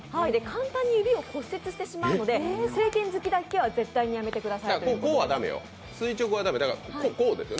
簡単に指を骨折してしまうので正拳突きだけは絶対にやめてくださいとのことです。